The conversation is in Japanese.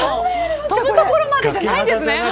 飛ぶところまでじゃないんですね。